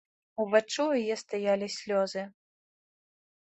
Уваччу ў яе стаялі слёзы.